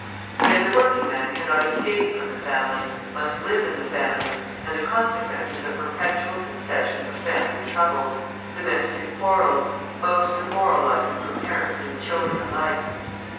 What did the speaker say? Yet the working man cannot escape from the family, must live in the family, and the consequence is a perpetual succession of family troubles, domestic quarrels, most demoralising for parents and children alike.